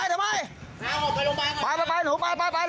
เฮ้ยเทียบเร็วเร็วไปปิดตื้นหน่อยโดนทั้งคนหนึ่ง